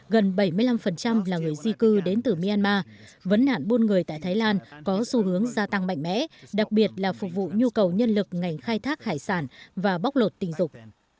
gần bảy mươi năm là người di cư đến từ myanmar vấn nạn buôn người tại thái lan có xu hướng gia tăng mạnh mẽ đặc biệt là phục vụ nhu cầu nhân lực ngành khai thác hải sản và bóc lột tình dục